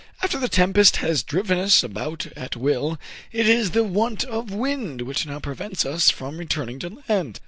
"After the tempest has driven us about at will, it is the want of wind which now prevents us from return ing to land."